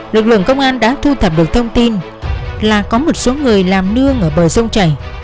lực lượng công an đã thu thập được thông tin là có một số người làm nương ở bờ sông chảy